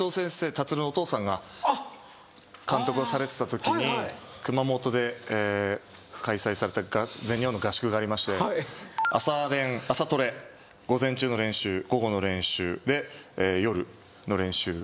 立のお父さんが監督をされてたときに熊本で開催された全日本の合宿がありまして朝トレ午前中の練習午後の練習で夜の練習。